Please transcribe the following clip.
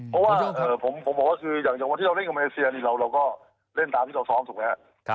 เพราะว่าผมบอกว่าคืออย่างวันที่เราเล่นกับมาเลเซียนี่เราก็เล่นตามที่เราซ้อมถูกไหมครับ